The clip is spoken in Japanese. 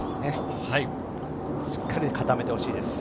しっかり固めてほしいです。